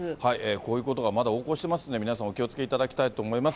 こういうことがまだ横行していますんで、皆さん、お気をつけいただきたいと思います。